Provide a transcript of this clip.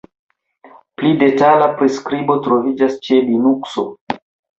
Pli detala priskribo troviĝas ĉe Linukso.